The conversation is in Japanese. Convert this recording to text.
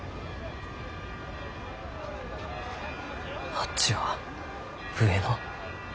あっちは上野。